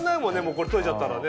これ取れちゃったらね。